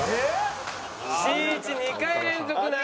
しんいち２回連続７位。